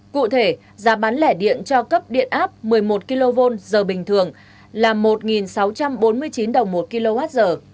cụ thể giá bán lẻ điện cho cấp điện áp một mươi một kv giờ bình thường là một sáu trăm bốn mươi chín đồng một kwh